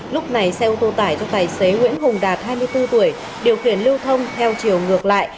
lúc này xe ô tô tải do tài xế nguyễn hùng đạt hai mươi bốn tuổi điều khiển lưu thông theo chiều ngược lại